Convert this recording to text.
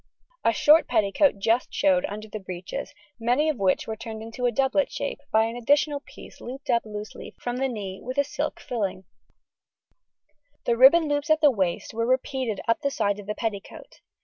A short petticoat just showed the under breeches, many of which were turned into a doublet shape by an additional piece looped up loosely from the knee with a silk filling; the ribbon loops at the waist were repeated up the sides of the petticoat.